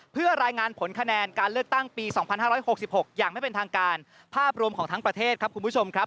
เพื่อรายงานผลคะแนนการเลือกตั้งปี๒๕๖๖อย่างไม่เป็นทางการภาพรวมของทั้งประเทศครับคุณผู้ชมครับ